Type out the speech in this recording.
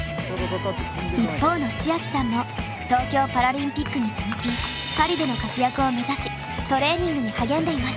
一方の千明さんも東京パラリンピックに続きパリでの活躍を目指しトレーニングに励んでいます。